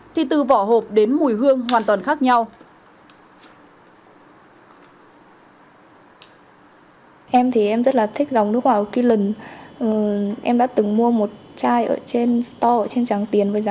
thì tự nhiên nước hoa chính hãng